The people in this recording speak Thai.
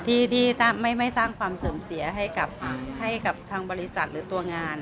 ที่จะไม่สร้างความเสื่อมเสียให้กับทางบริษัทหรือตัวงาน